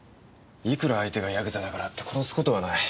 いくら相手がヤクザだからって殺す事はない。